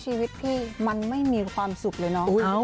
ชีวิตพี่มันไม่มีความสุขเลยเนาะ